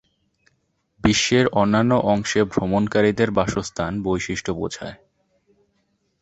বিশ্বের অন্যান্য অংশে ভ্রমণকারীদের বাসস্থান বৈশিষ্ট্য বোঝায়।